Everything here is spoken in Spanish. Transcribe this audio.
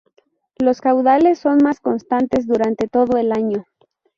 Los caudales son más constantes durante todo el año.